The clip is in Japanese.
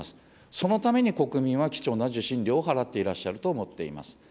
そのために国民は貴重な受信料を払っていらっしゃると思っています。